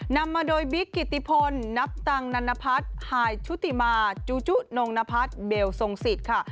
นำมาโดยบิ๊กกิติพลนับตังนันนพัฒน์ฮายชุติมาจูจุนงนพัฒน์เบลทรงสิทธิ์ค่ะ